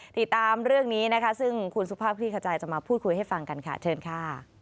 ติดตามเรื่องนี้นะคะซึ่งคุณสุภาพคลี่ขจายจะมาพูดคุยให้ฟังกันค่ะเชิญค่ะ